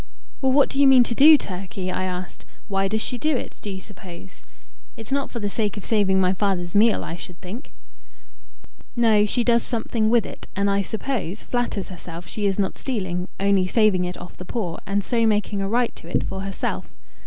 "Well, what do you mean to do, Turkey?" I asked. "Why does she do it, do you suppose? It's not for the sake of saving my father's meal, I should think." "No, she does something with it, and, I suppose, flatters herself she is not stealing only saving it off the poor, and so making a right to it for herself.